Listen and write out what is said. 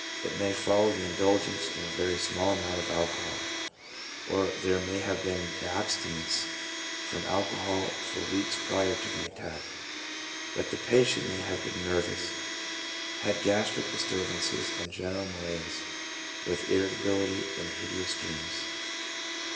3 It may follow the in dulgence in a very small amount of alcohol, 4 or there may have been abstinence from alcohol for weeks prior to the attack, but the patient may have been nervous, had gastric disturbances and general malaise with irritability, and hideous dreams.